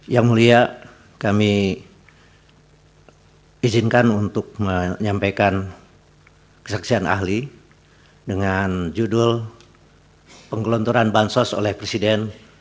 yang mulia kami izinkan untuk menyampaikan kesaksian ahli dengan judul penggelontoran bansos oleh presiden